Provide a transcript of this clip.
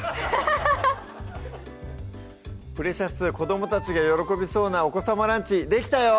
プレシャス子どもたちが喜びそうなお子さまランチできたよ！